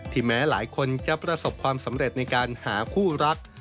แม้หลายคนจะประสบความสำเร็จในการหาคู่รัก